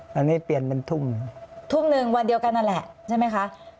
ตอนนี้เปลี่ยนเป็นทุ่มทุ่มหนึ่งวันเดียวกันนั่นแหละใช่ไหมคะ